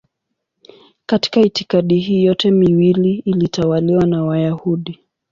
Katika itikadi hii yote miwili ilitawaliwa na Wayahudi.